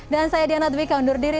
dan saya diana dwi kaundur diri